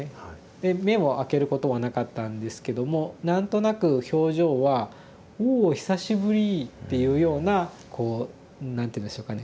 で目をあけることはなかったんですけども何となく表情は「おお久しぶり」っていうようなこう何て言うんでしょうかね